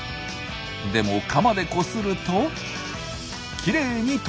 でもカマでこするときれいに取れました。